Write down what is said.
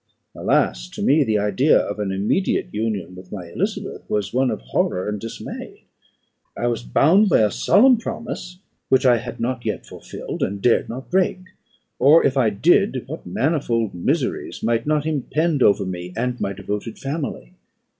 Alas! to me the idea of an immediate union with my Elizabeth was one of horror and dismay. I was bound by a solemn promise, which I had not yet fulfilled, and dared not break; or, if I did, what manifold miseries might not impend over me and my devoted family!